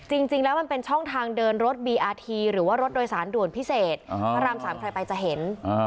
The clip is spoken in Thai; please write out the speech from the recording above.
จริงแล้วมันเป็นช่องทางเดินรถบีอาทีหรือว่ารถโดยสารด่วนพิเศษพระราม๓ใครไปจะเห็น